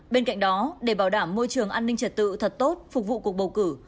bên cạnh đó để bảo đảm môi trường an ninh trật tự thật tốt phục vụ cuộc bầu cử